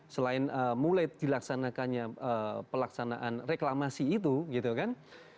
selain mulai dilaksanakannya pelaksanaan reklamasi itu gitu kan